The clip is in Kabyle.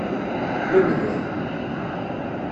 Lemdet!